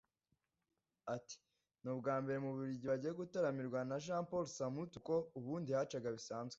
Ati « Ni ubwa mbere mu Bubiligi bagiye gutaramirwa na Jean Paul Samputu kuko ubundi yahacaga bisanzwe